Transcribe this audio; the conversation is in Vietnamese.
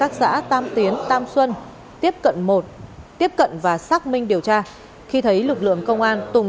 các xã tam tiến tam xuân tiếp cận một tiếp cận và xác minh điều tra khi thấy lực lượng công an tùng